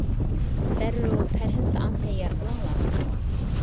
دەررۇ پەرھىز تائام تەييار قىلىڭلار!